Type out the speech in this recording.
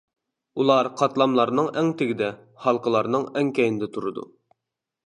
ئۇلار قاتلاملارنىڭ ئەڭ تېگىدە، ھالقىلارنىڭ ئەڭ كەينىدە تۇرىدۇ.